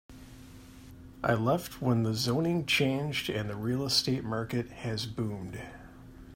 I left when the zoning changed and the real estate market has boomed.